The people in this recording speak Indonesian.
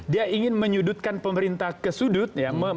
dia ingin menyudutkan pemerintah ke sudut ya